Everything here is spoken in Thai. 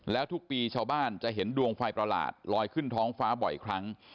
แล้วทุกปีชาวบ้านจะเห็นดวงไฟประหลาดลอยขึ้นท้องฟ้าบ่อยครั้ง